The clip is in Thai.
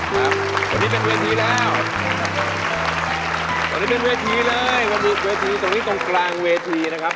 วันนี้เป็นเวทีแล้วตอนนี้เป็นเวทีเลยมันมีเวทีตรงนี้ตรงกลางเวทีนะครับ